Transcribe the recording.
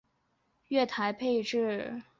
月台配置